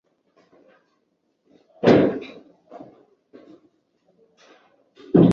阿利博迪埃。